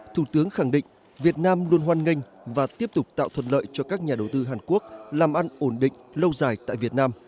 thủ tướng khẳng định việt nam luôn hoan nghênh và tiếp tục tạo thuận lợi cho các nhà đầu tư hàn quốc làm ăn ổn định lâu dài tại việt nam